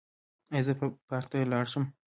ایا زه پارک ته لاړ شم؟